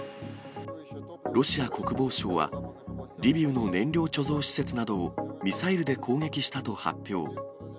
ロシア国防省は、リビウの燃料貯蔵施設などをミサイルで攻撃したと発表。